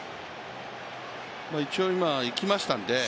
一応、今いきましたんで。